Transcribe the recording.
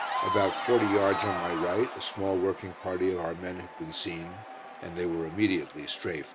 About forty yards on my right a small working party of our men had been seen, and they were immediately "strafed."